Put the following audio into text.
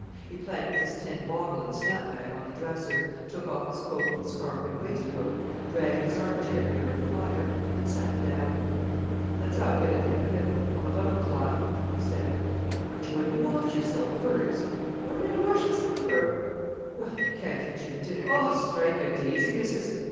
He planked his tin bottle and snap bag on the dresser, took off his coat and scarf and waistcoat, dragged his armchair nearer the fire and sat down. "Let's ha'e a bit o' dinner, then—I'm about clammed," he said. "Aren't you goin' to wash yourself first?" "What am I to wesh mysen for?" "Well, you can't eat your dinner——" "Oh, strike a daisy, Missis!